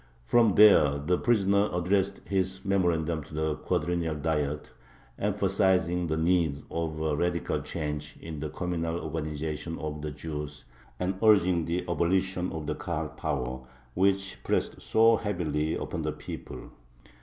From there the prisoner addressed his memorandum to the Quadrennial Diet, emphasizing the need of a radical change in the communal organization of the Jews, and urging the abolition of the Kahal power, which pressed so heavily upon the people.